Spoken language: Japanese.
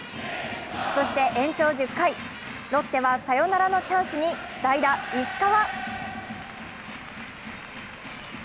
そして延長１０回、ロッテはサヨナラのチャンスに代打・石川。